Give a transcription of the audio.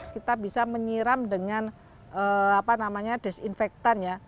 kita bisa menyiram dengan apa namanya disinfektan ya